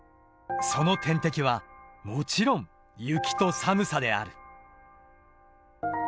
その天敵はもちろん雪と寒さである。